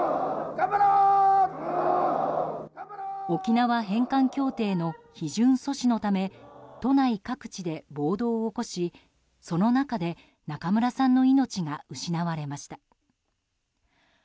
沖縄返還協定の批准阻止のため都内各地で暴動を起こしその中で中村さんの命が失われました。